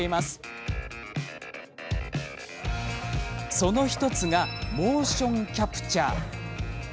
その１つがモーション・キャプチャ。